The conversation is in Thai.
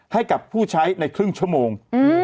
ให้กับผู้ใช้ในครึ่งชั่วโมง